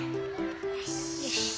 よし。